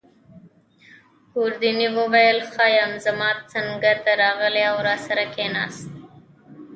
ګوردیني وویل: ښه یم. زما څنګته راغلی او راسره کښېناست.